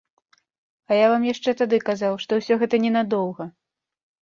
А я вам яшчэ тады казаў, што ўсё гэта ненадоўга!